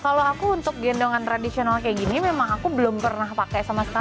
kalau aku untuk gendongan tradisional kayak gini memang aku belum pernah pakai sama sekali